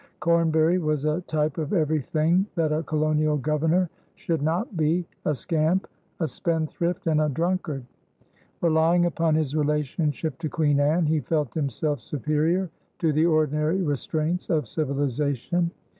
Cornbury was a type of everything that a colonial governor should not be, a scamp, a spendthrift, and a drunkard. Relying upon his relationship to Queen Anne, he felt himself superior to the ordinary restraints of civilization.